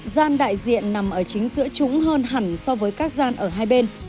gian đại diện nằm ở chính giữa trũng hơn hẳn so với các gian ở hai bên